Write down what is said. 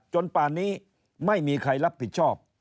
ป่านนี้ไม่มีใครรับผิดชอบ